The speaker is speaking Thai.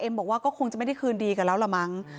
บอกว่าก็คงจะไม่ได้คืนดีกันแล้วล่ะมั้ง